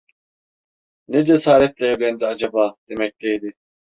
"Ne cesaretle evlendi acaba?" demekteydi.